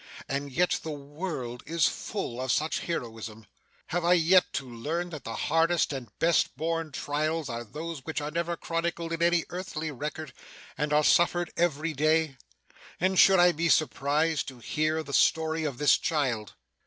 And yet the world is full of such heroism. Have I yet to learn that the hardest and best borne trials are those which are never chronicled in any earthly record, and are suffered every day! And should I be surprised to hear the story of this child!